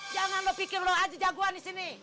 jangan lo pikir lo aja jagoan di sini